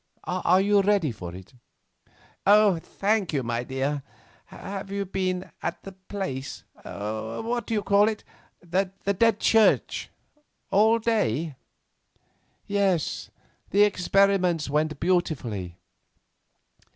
Are you ready for it?" "Thank you, my dear. Have you been at that place—what do you call it?—the Dead Church, all day?" "Yes, and the experiments went beautifully."